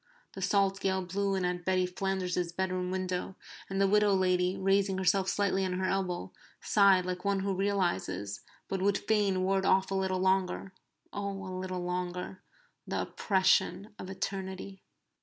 The salt gale blew in at Betty Flanders's bedroom window, and the widow lady, raising herself slightly on her elbow, sighed like one who realizes, but would fain ward off a little longer oh, a little longer! the oppression of eternity.